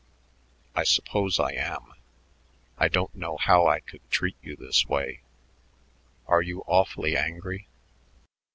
I suppose I am. I don't know how I could treat you this way. Are you awfully angry?"